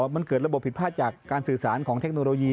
มันเกิดระบบผิดพลาดจากการสื่อสารของเทคโนโลยี